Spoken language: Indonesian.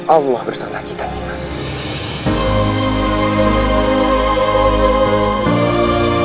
allah bersama kita nimas